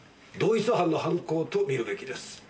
同一犯の犯行と見るべきです。